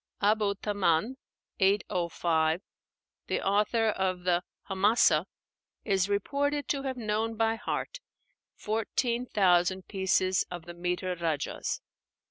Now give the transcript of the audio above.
Abu Tammám (805), the author of the 'Hamásah,' is reported to have known by heart fourteen thousand pieces of the metre rájaz.